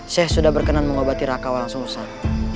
saya sudah berkenan mengobati raka wa langsung usang